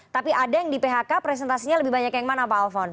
tapi ada yang di phk presentasinya lebih banyak yang mana pak alphon